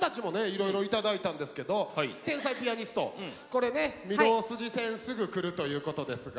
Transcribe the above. いろいろ頂いたんですけど天才ピアニストこれね「御堂筋線すぐ来る」ということですが。